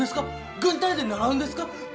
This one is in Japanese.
軍隊で習うんですか？